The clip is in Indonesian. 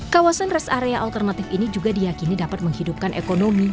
kawasan rest area alternatif ini juga diakini dapat menghidupkan ekonomi